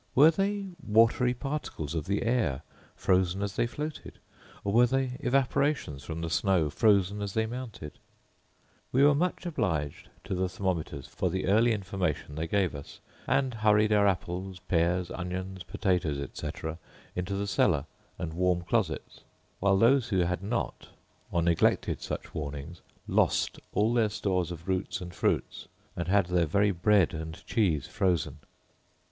Were they watery particles of the air frozen as they floated; or were they evaporations from the snow frozen as they mounted ? We were much obliged to the thermometers for the early information they gave us: and hurried our apples, pears, onions, potatoes, etc., into the cellar, and warm closets; while those who had not, or neglected such warnings, lost all their stores of roots and fruits, and had their very bread and cheese frozen.